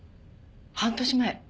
半年前。